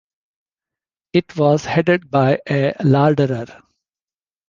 It was headed by a "larderer".